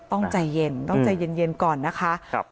ใจเย็นต้องใจเย็นก่อนนะคะ